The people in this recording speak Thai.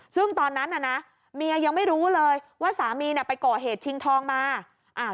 ซึ่งตอนนั้นน่ะนะเมียยังไม่รู้เลยว่าสามีเนี่ยไปก่อเหตุชิงทองมาอ่า